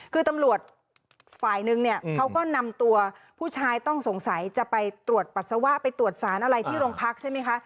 คือตำรวจฝ่ายนึงเนี่ยเขาก็นำตัวผู้ชายต้องสงสัยจะไปตรวจปัสสาวะไปตรวจสารอะไรที่โรงพักใช่ไหมคะ